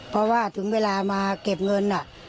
เพราะว่าถึงเวลามาเก็บเงิน